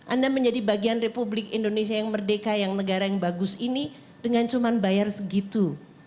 anda menjadi bagian republik indonesia yang merdeka yang negara yang bagus ini dengan cuma bayar segitu